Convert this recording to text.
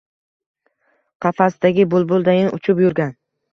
Qafasdagi bulbuldayin uchib yurgan